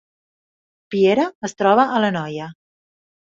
Piera es troba a l’Anoia